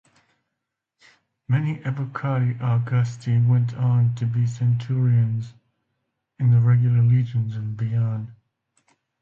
Many Evocati Augusti went on to be Centurions in the regular Legions, and beyond.